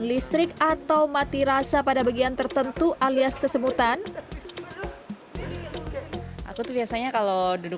listrik atau mati rasa pada bagian tertentu alias kesemutan aku tuh biasanya kalau duduk